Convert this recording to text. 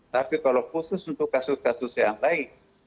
tapi kalau khusus untuk kasus kasus yang lain